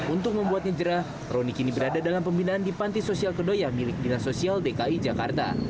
untuk membuatnya jerah rony kini berada dalam pembinaan di panti sosial kedoya milik dinas sosial dki jakarta